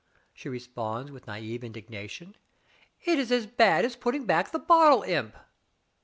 she responds with naive indignation. "It is as bad as putting back the bottle imp."